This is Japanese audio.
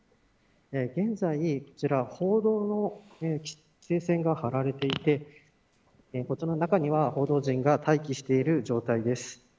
現在こちら報道の規制線が張られていてこちら中には報道陣が待機している状況です。